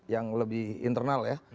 yang lebih internal ya